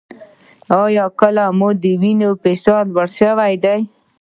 ایا کله مو د وینې فشار لوړ شوی دی؟